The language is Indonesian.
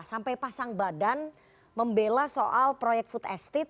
sampai pasang badan membela soal proyek food estate